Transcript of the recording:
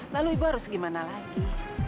lalu ibu harus gimana lagi